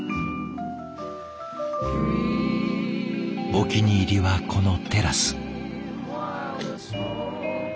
お気に入りはこのテラス。